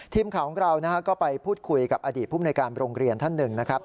ทีมข่าวของเราก็ไปพูดคุยกับอดีตภูมิในการโรงเรียนท่านหนึ่งนะครับ